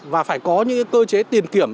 và phải có những cơ chế tiền kiểm